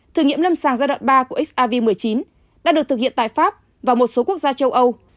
thử nghiệm lâm sàng giai đoạn ba của xrvi một mươi chín đã được thực hiện tại pháp và một số quốc gia châu âu